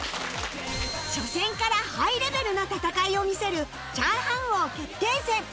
初戦からハイレベルな戦いを見せる炒飯王決定戦